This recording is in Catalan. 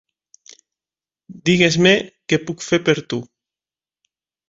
Digues-me què puc fer per tu.